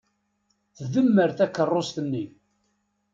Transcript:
Tdemmer takeṛṛust-nni.